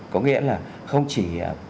có nghĩa là không chỉ